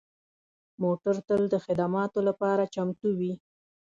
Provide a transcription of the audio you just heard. موټر تل د خدماتو لپاره چمتو وي.